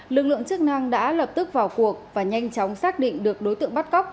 lực lượng chức năng đã lập tức vào cuộc và nhanh chóng xác định được đối tượng bắt cóc